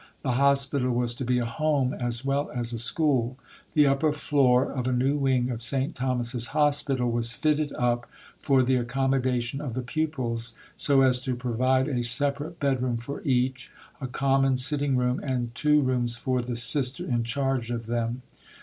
The Hospital was to be a home as well as a school. The upper floor of a new wing of St. Thomas's Hospital was fitted up for the accommodation of the pupils, so as to provide a separate bedroom for each, a common sitting room, and two rooms for the Sister in charge of them.